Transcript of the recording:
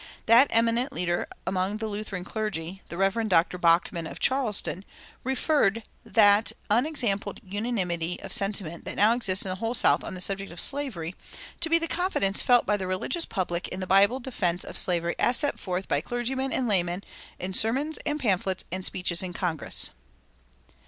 That eminent leader among the Lutheran clergy, the Rev. Dr. Bachman, of Charleston, referred "that unexampled unanimity of sentiment that now exists in the whole South on the subject of slavery" to the confidence felt by the religious public in the Bible defense of slavery as set forth by clergymen and laymen in sermons and pamphlets and speeches in Congress.